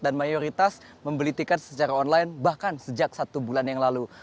mayoritas membeli tiket secara online bahkan sejak satu bulan yang lalu